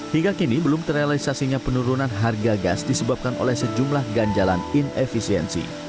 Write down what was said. hingga kini belum terrealisasinya penurunan harga gas disebabkan oleh sejumlah ganjalan inefisiensi